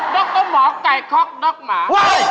ดรหมอไก่ค็อกด๊อกหมา